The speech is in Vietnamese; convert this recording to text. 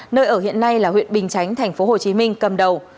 nơi ở hiện nay là huyện bình chánh tp hcm cầm đầu